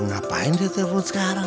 ngapain dia telepon sekarang